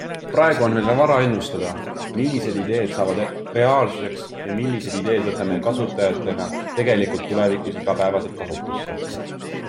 Praegu on veel vara ennustada, millised ideed saavad reaalsuseks ja millised ideed võtame kasutajatena tegelikult tulevikus igapäevaselt kasutusse.